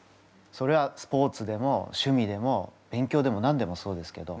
それはスポーツでも趣味でも勉強でも何でもそうですけど。